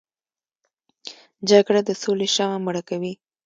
جګړه د سولې شمعه مړه کوي